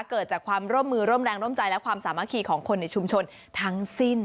เกิดจากความร่วมมือร่วมแรงร่วมใจและความสามัคคีของคนในชุมชนทั้งสิ้น